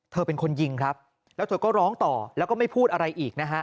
เป็นคนยิงครับแล้วเธอก็ร้องต่อแล้วก็ไม่พูดอะไรอีกนะฮะ